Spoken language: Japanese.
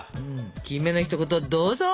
キメのひと言どうぞ。